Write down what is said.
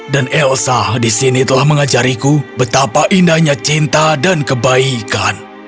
dan elsa di sini telah mengajariku betapa indahnya cinta dan kebaikan